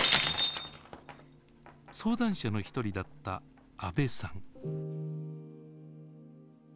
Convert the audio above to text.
相談者の一人だった阿部さん。